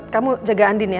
kamu jaga andien ya